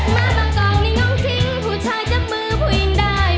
มาบางกองนี่ง้อทิ้งผู้ชายจับมือผู้หญิงได้